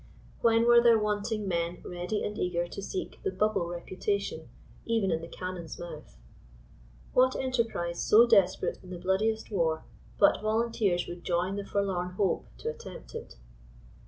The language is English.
When were there wanting men ready and eager to seek " the bubble reputation, even in the cannon's mouth ?" What en terprise so desperate in the bloodiest war, but volunteers would join the * forlorn hope' to attempt it?